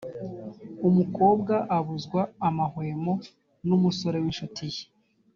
umukobwa abuzwa amahwemo n’umusore w’ incuti ye